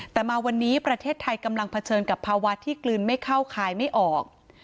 แต่มาวันนี้ประเทศไทยกำลังเผชิญกับภาวะที่กลืนไม่เข้าคายไม่ออก